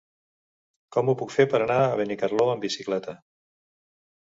Com ho puc fer per anar a Benicarló amb bicicleta?